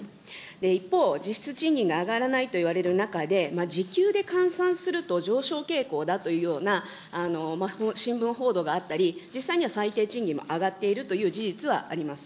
一方、実質賃金が上がらないといわれる中で、時給で換算すると、上昇傾向だというような新聞報道があったり、実際には最低賃金も上がっているという事実はあります。